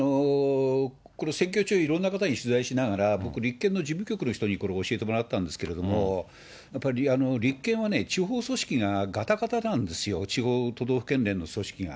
これ、選挙中、いろんな方に取材しながら、僕、立憲の事務局の人にこれ、教えてもらったんですけれども、やっぱり立憲は地方組織ががたがたなんですよ、地方、都道府県連の組織が。